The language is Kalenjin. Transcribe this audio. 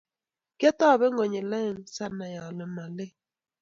Kiatoben konyil aeng sanai ale malel